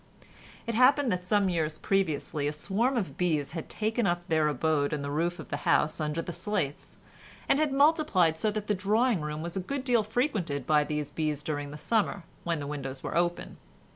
It happened that some years previously, a swarm of bees had taken up their abode in the roof of the house under the slates, and had multiplied so that the drawing room was a good deal frequented by these bees during the summer, when the windows were open.